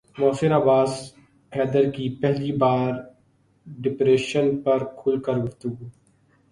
محسن عباس حیدر کی پہلی بار ڈپریشن پر کھل کر گفتگو